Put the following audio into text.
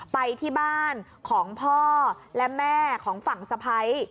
ไปที่บ้านของพ่อและแม่ของฝั่งสะพ้าย